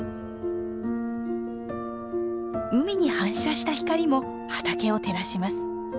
海に反射した光も畑を照らします。